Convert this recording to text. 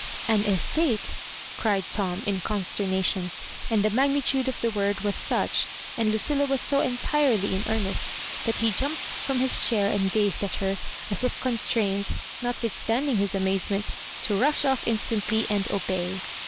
"An estate I" cried Tom, in consternation; and the magniiude of the word was such, and Lucilla was so entirely in earnest, that he jumped from his chair and gazed at her, as if constrained, notwithstanding his amazement, to rush off instantly and obey.